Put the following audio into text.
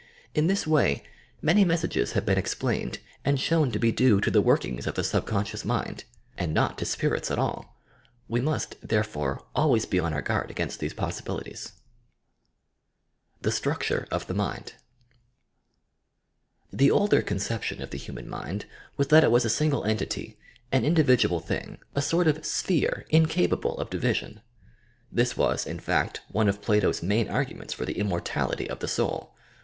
In this way many messages have been explained and shown to he due the workings of the subconscious mind, and not to spirits many ■ Ine to H ipirita H I THE SUBCONSCIOUS at all. We must, therefore, always be on our gui against three possibilities. TQE STRUCTURE OP THE UrND The older conception of the hnman mind was that it was a .sinffle entity, an individual thing, a sort of "sphere" incapable of division. This was, in fact, one of Plato's main arguments for the Immortality of the Soul.